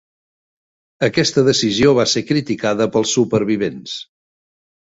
Aquesta decisió va ser criticada pels supervivents.